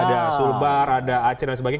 ada sulbar ada aceh dan sebagainya